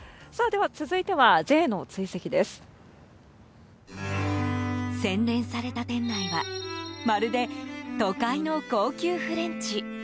ゴージャスで洗練された店内はまるで都会の高級フレンチ。